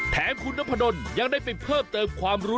แถมคุณนพดลยังได้ไปเพิ่มเติมความรู้